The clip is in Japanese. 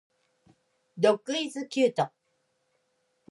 Dog is cute.